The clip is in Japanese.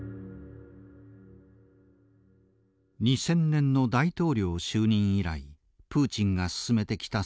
２０００年の大統領就任以来プーチンが進めてきた戦略。